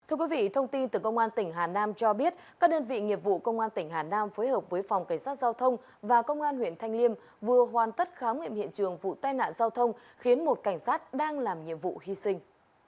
thưa quý vị thông tin từ công an tỉnh hà nam cho biết các đơn vị nghiệp vụ công an tỉnh hà nam phối hợp với phòng cảnh sát giao thông và công an huyện thanh liêm vừa hoàn tất khám nghiệm hiện trường vụ tai nạn giao thông khiến một cảnh sát đang làm nhiệm vụ hy sinh